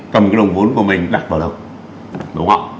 cầm đồng vốn của mình đặt vào đầu